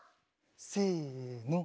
せの。